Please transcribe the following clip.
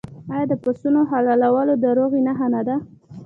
آیا د پسونو حلالول د روغې نښه نه ده؟